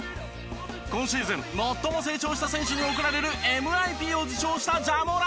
今シーズン最も成長した選手に贈られるＭＩＰを受賞したジャ・モラント。